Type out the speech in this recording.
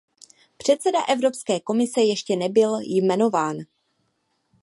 Předseda Evropské komise ještě nebyl jmenován.